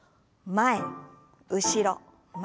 前後ろ前。